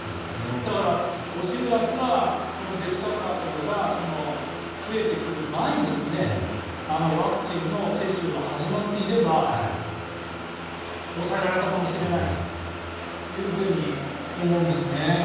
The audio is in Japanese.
だから、惜しむらくはこのデルタ株が増えてくる前にワクチンの接種が始まっていれば抑えられたかもしれないと思うんですね。